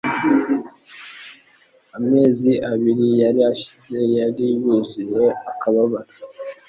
Amezi abiri yari ashize yari yuzuye akababaro